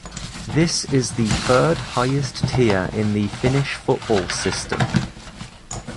This is the third highest tier in the Finnish football system.